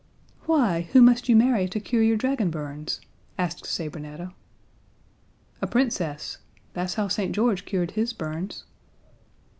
"Why, who must you marry to cure your dragon burns?" asked Sabrinetta. "A Princess. That's how St. George cured his burns."